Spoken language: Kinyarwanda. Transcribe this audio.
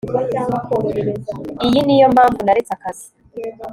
iyi niyo mpamvu naretse akazi